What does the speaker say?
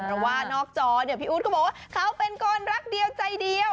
เพราะว่านอกจอเนี่ยพี่อู๊ดเขาบอกว่าเขาเป็นคนรักเดียวใจเดียว